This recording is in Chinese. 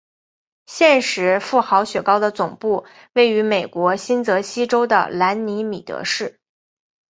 现时富豪雪糕的总部位于美国新泽西州的兰尼米德市。